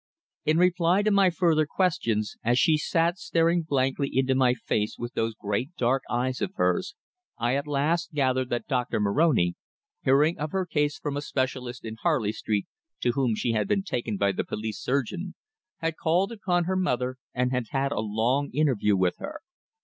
In reply to my further questions, as she sat staring blankly into my face with those great dark eyes of hers, I at last gathered that Doctor Moroni, hearing of her case from a specialist in Harley Street, to whom she had been taken by the police surgeon, had called upon her mother, and had had a long interview with her.